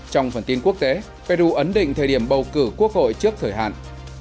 trong phần tin quốc tế peru ấn định thời điểm bầu cử quốc hội trước thời hạn